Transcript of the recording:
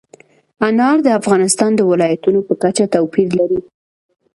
انار د افغانستان د ولایاتو په کچه توپیر لري.